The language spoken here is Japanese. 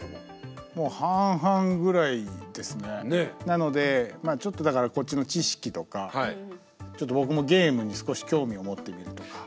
なのでちょっとだからこっちの知識とかちょっと僕もゲームに少し興味を持ってみるとか。